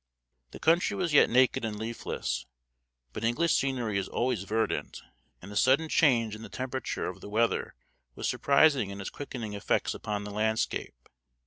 The country was yet naked and leafless, but English scenery is always verdant, and the sudden change in the temperature of the weather was surprising in its quickening effects upon the landscape.